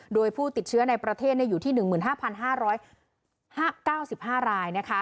โดยผู้ติดเชื้อในประเทศเนี่ยอยู่ที่หนึ่งหมื่นห้าพันห้าร้อยห้าเก้าสิบห้ารายนะคะ